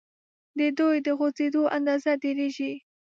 د دوی د خوځیدو اندازه ډیریږي.